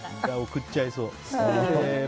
送っちゃいそう。